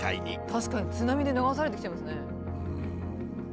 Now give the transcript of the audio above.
確かに津波で流されてきちゃいますね。